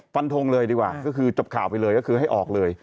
ฟันทงเลยดีกว่าก็คือจบข่าวไปเลยก็คือให้ออกเลย